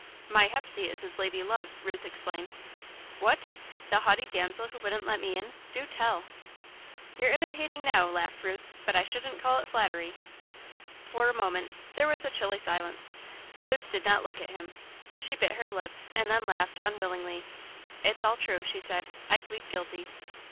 "My Hepsey is his lady love," Ruth explained. "What? The haughty damsel who wouldn't let me in? Do tell!" "You're imitating now," laughed Ruth, "but I shouldn't call it flattery." For a moment, there was a chilly silence. Ruth did not look at him, but she bit her lip and then laughed, unwillingly. "'It's all true," she said, "I plead guilty."